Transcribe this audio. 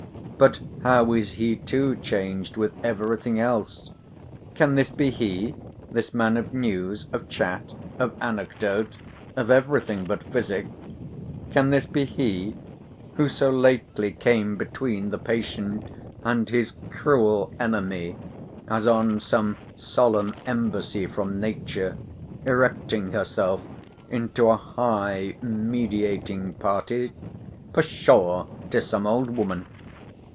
But how is he too changed with everything else! Can this be he—this man of news—of chat—of anecdote—of every thing but physic—can this be he, who so lately came between the patient and his cruel enemy, as on some solemn embassy from Nature, erecting herself into a high mediating party? Pshaw!'tis some old woman.